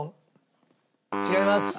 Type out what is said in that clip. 違います。